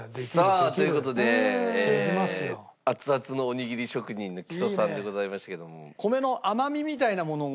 さあという事で熱々のおにぎり職人の木曽さんでございましたけども。